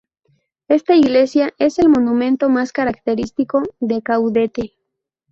Esta iglesia es el monumento más característico de Caudete.